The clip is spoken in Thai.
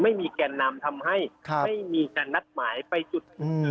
ไม่มีแก่นนำทำให้ไม่มีการนัดหมายไปจุดอื่น